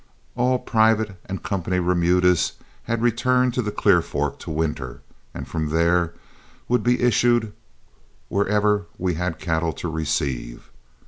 All private and company remudas had returned to the Clear Fork to winter, and from there would be issued wherever we had cattle to receive.